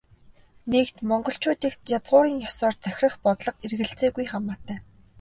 Нэгд, монголчуудыг язгуурын ёсоор захирах бодлого эргэлзээгүй хамаатай.